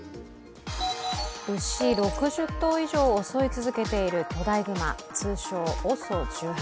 牛６０頭以上を襲い続けている巨大熊、通称・ＯＳＯ１８。